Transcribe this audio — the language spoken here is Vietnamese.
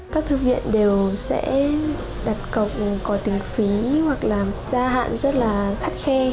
các thư viện đều sẽ đặt cọc có tình phí hoặc là gia hạn rất là át khe